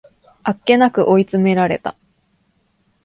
あっけなく追い詰められた